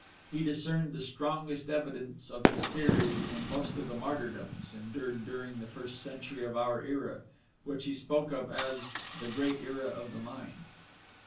He discerned the strongest evidence of his theory in most of the martyrdoms endured during the first century of our era, which he spoke of as the great era of the Mind.